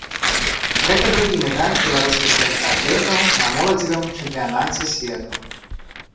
Гэта другі медаль беларускіх лёгкаатлетаў на моладзевым чэмпіянаце свету.